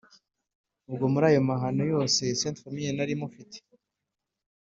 ubwo muri ayo mahano yose Ste Famille nari mufite,